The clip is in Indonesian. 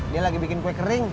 dia lagi bikin kue kering